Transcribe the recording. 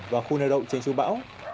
và khu nơi động tránh trú bão